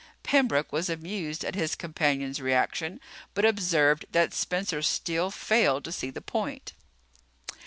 Pembroke was amused at his companion's reaction but observed that Spencer still failed to see the point.